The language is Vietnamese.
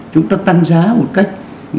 chúng ta tăng giá một cách